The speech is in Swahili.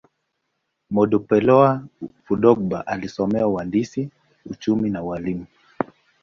Modupeola Fadugba alisoma uhandisi, uchumi, na ualimu.